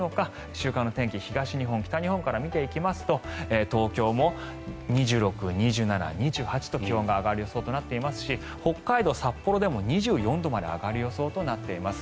週間の天気、東日本、北日本から見ていきますと東京も２６、２７、２８と気温が上がる予想となっていますし北海道札幌でも２４度まで上がる予想となっています。